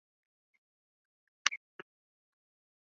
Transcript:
协和飞机的加压系统也有完善的安全性考量。